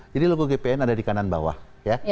jadi logo gpn ada di kanan bawah ya